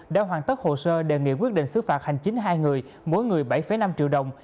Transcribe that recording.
đã hoàn tất hồ sơ đề nghị quyết định xứ phạt hành chính hai người mỗi người bảy năm triệu đồng